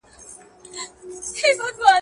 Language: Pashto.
بریالیو کسانو خپلي ستونزي حل کړي وې.